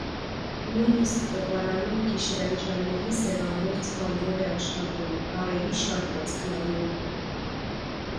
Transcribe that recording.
Նույնիսկ տպարանում գիշերային ժամերին սևագործ բանվոր է աշխատում՝ տառերի շարվածքն անում։